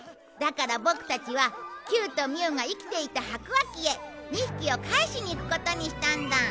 だからボクたちはキューとミューが生きていた白亜紀へ２匹を返しに行くことにしたんだ！